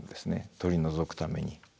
取り除くために。